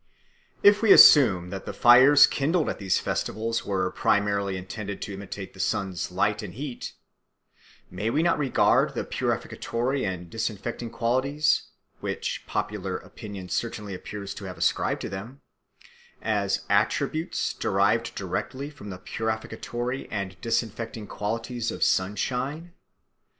If we assume that the fires kindled at these festivals were primarily intended to imitate the sun's light and heat, may we not regard the purificatory and disinfecting qualities, which popular opinion certainly appears to have ascribed to them, as attributes derived directly from the purificatory and disinfecting qualities of sunshine?